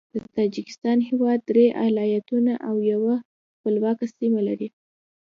د تاجکستان هیواد درې ایالتونه او یوه خپلواکه سیمه لري.